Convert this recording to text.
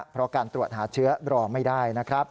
เพราะการตรวจหาเชื้อรอไม่ได้นะครับ